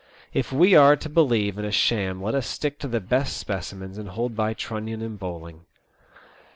If we are to believe in a sham let us stick to the best specimens and hold by Trunnion and Bowling.